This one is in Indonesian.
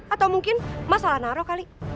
atau mungkin mas salah naro kali